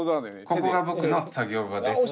ここが僕の作業場です。